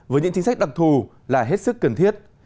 với những chính sách đặc thù là hết sức cần thiết